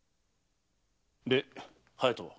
で隼人は？